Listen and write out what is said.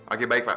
oke baik pak